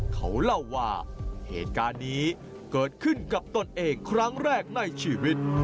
เขาเล่าว่าเหตุการณ์นี้เกิดขึ้นกับตนเองครั้งแรกในชีวิต